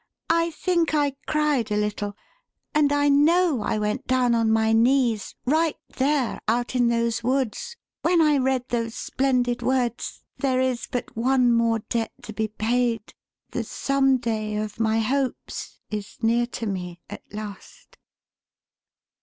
I think I cried a little and I know I went down on my knees right there out in those woods, when I read those splendid words, 'There is but one more debt to be paid. The "some day" of my hopes is near to me at last.'"